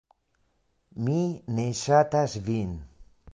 Mi ne ŝatas vin.